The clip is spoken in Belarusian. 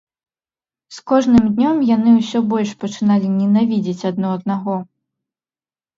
З кожным днём яны ўсё больш пачыналі ненавідзець адно аднаго.